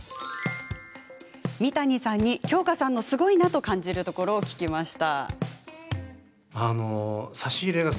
三谷さんに京香さんのすごいなと感じるところを聞きました。